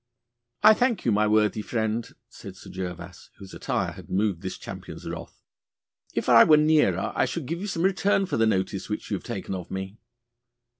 'I thank you, my worthy friend,' said Sir Gervas, whose attire had moved this champion's wrath. 'If I were nearer I should give you some return for the notice which you have taken of me.